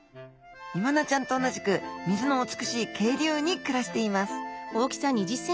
イワナちゃんと同じく水の美しい渓流に暮らしています